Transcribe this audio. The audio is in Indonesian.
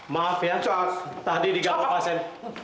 maaf ya tadi di gamau pasien